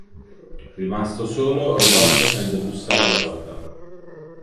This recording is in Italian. Rimasto solo, Rodolfo sente bussare alla porta.